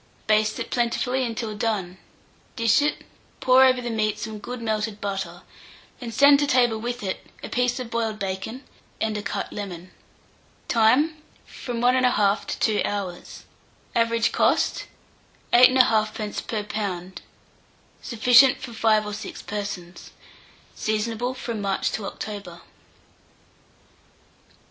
Baste it plentifully until done; dish it, pour over the meat some good melted butter, and send to table with it a piece of boiled bacon and a cut lemon. Time. From 1 1/2 to 2 hours. Average cost, 8 1/2d. per lb. Sufficient for 5 or 6 persons. Seasonable from March to October.